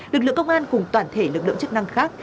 lực lượng công an cùng toàn thể lực lượng chức năng khác